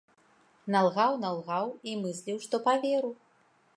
Налгаў, налгаў і мысліў, што паверу.